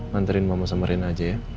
hantarin mama sama rena aja ya